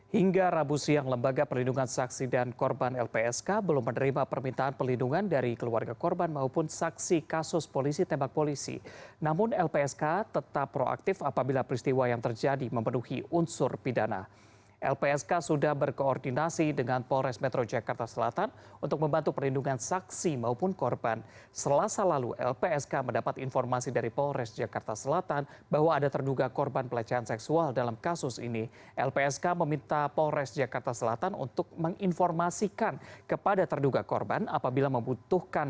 hingga rabu siang lembaga pelindungan saksi dan korban lpsk belum menerima permintaan pelindungan dari keluarga korban maupun saksi kasus polisi tempatan